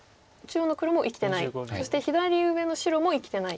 そして左上の白も生きてない。